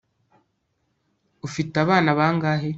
ufite abana bangahe